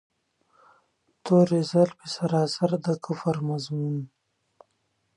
توري زلفې سراسر د کفر مضمون.